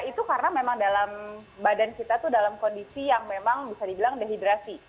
itu karena memang dalam badan kita itu dalam kondisi yang memang bisa dibilang dehidrasi